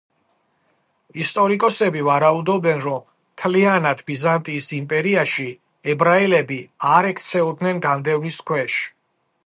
ისტორიკოსები ვარაუდობენ, რომ მთლიანად ბიზანტიის იმპერიაში ებრაელები არ ექცეოდნენ განდევნის ქვეშ.